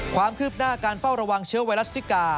ความคืบหน้าการเฝ้าระวังเชื้อไวรัสซิกา